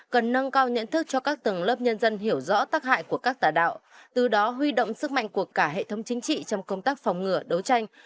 cần nâng cao nhận thức cho các tầng lớp nhân dân hiểu rõ tác hại của các tà đạo từ đó huy động sức mạnh của cả hệ thống chính trị trong công tác phòng ngừa đấu tranh